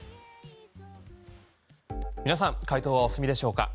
皆さん回答はお済みでしょうか？